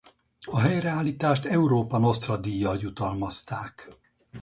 A helyreállítást Europa Nostra-díjjal jutalmazták.